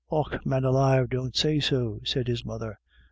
w " Och man alive, don't say so," said his mother.